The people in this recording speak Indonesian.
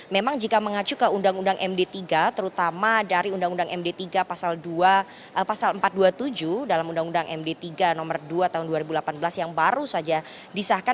memang jika mengacu ke undang undang md tiga terutama dari undang undang md tiga pasal empat ratus dua puluh tujuh dalam undang undang md tiga nomor dua tahun dua ribu delapan belas yang baru saja disahkan